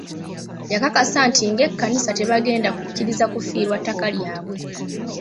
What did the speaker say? Yakakasa nti ng'ekkanisa tebagenda kukkiriza kufiirwa ttaka lyabwe.